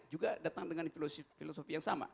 juga datang dengan filosofi yang sama